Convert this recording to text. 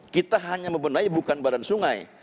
kita hanya membenahi bukan badan sungai